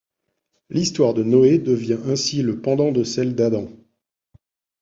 L’histoire de Noé devient ainsi le pendant de celle d’Adam.